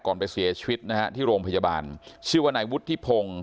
ก่อนไปเสียชีวิตนะครับที่โรงพยาบาลชื่อวนัยวุฒิทธิพงศ์